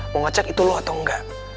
mau ngecek itu lu atau enggak